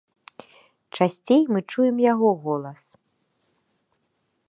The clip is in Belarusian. Часцей мы чуем яго голас.